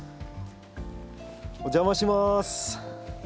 お邪魔します。